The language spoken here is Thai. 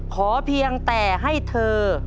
เพียงแต่ให้เธอ